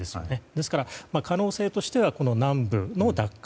ですから、可能性としては南部の奪還。